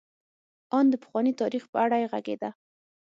ان د پخواني تاریخ په اړه یې غږېده.